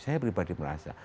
saya pribadi merasa